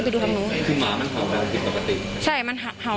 เพราะหนูไม่ได้เป็นคนทำ